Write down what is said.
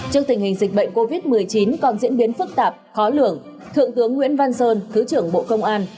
trước tình hình dịch bệnh covid một mươi chín còn diễn biến phức tạp khó lường thượng tướng nguyễn văn sơn thứ trưởng bộ công an